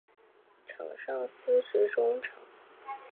场上司职中场。